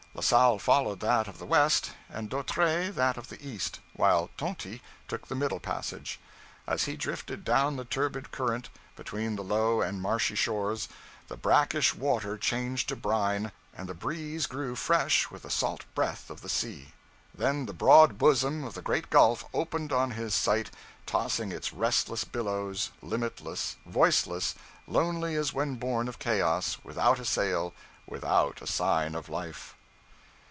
La Salle followed that of the west, and D'Autray that of the east; while Tonty took the middle passage. As he drifted down the turbid current, between the low and marshy shores, the brackish water changed to brine, and the breeze grew fresh with the salt breath of the sea. Then the broad bosom of the great Gulf opened on his sight, tossing its restless billows, limitless, voiceless, lonely as when born of chaos, without a sail, without a sign of life.'